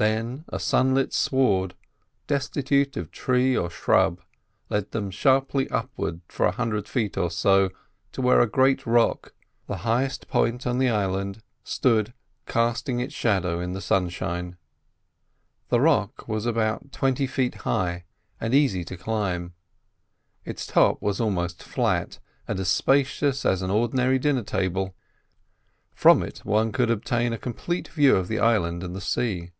Then a sunlit sward, destitute of tree or shrub, led them sharply upward for a hundred feet or so to where a great rock, the highest point of the island, stood, casting its shadow in the sunshine. The rock was about twenty feet high, and easy to climb. Its top was almost flat, and as spacious as an ordinary dinner table. From it one could obtain a complete view of the island and the sea.